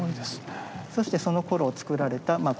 そしてそのころ作られたまあ